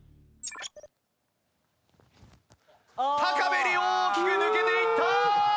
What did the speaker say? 高めに大きく抜けていった！